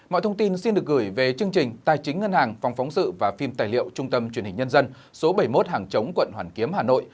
mọi thông tin xin được gửi về chương trình tài chính ngân hàng phòng phóng sự và phim tài liệu trung tâm truyền hình nhân dân số bảy mươi một hàng chống quận hoàn kiếm hà nội